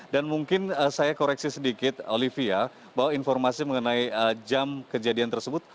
dan mungkin saya koreksi sedikit olivia bahwa informasi mengenai jam kejadian tersebut